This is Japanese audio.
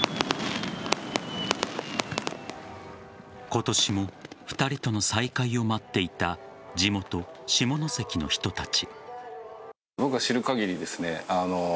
今年も２人との再会を待っていた地元・下関の人たち。